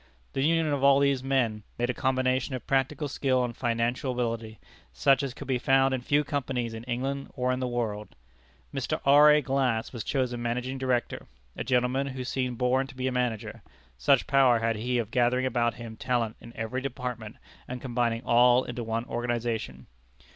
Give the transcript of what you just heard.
The union of all these men made a combination of practical skill and financial ability, such as could be found in few companies in England or in the world. Mr. R. A. Glass was chosen Managing Director a gentleman who seemed born to be a manager, such power had he of gathering about him talent in every department and combining all into one organization.